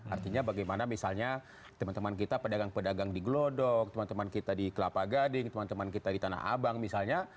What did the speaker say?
artinya bagaimana misalnya teman teman kita pedagang pedagang di gelodok teman teman kita di kelapa gading teman teman kita di tanah abang misalnya